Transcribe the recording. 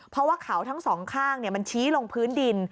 เพราะว่าเขาทั้งสองข้างมันชี้ลงพื้นดิน